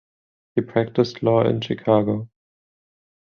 He practiced law in Chicago.